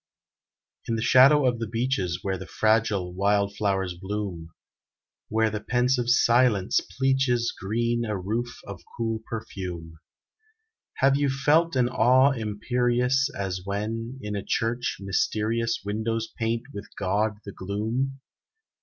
In the shadow of the beeches, Where the fragile wildflowers bloom; Where the pensive silence pleaches Green a roof of cool perfume, Have you felt an awe imperious As when, in a church, mysterious Windows paint with God the gloom?